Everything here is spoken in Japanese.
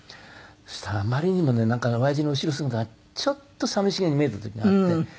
そしたらあまりにもね親父の後ろ姿がちょっとさみしげに見えた時があって。